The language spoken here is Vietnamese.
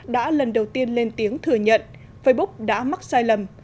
đã lần đầu tiên lên tiếng thừa nhận facebook đã mắc sai lầm